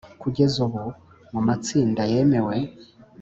kugeza ubu mumatsinda yemewe